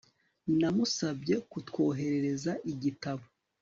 Namusabye kutwoherereza igitabo